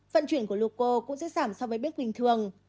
vận chuyển của lũ cô cũng sẽ giảm so với bếp bình thường